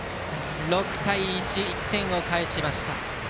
６対１、１点を返しました。